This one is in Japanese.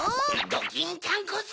ドキンちゃんこそ！